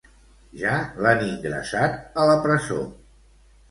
Ja l'han ingressat a la presó.